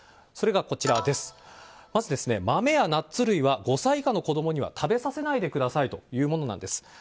それが、まず豆やナッツ類は５歳以下の子供には食べさせないでくださいというものなんです。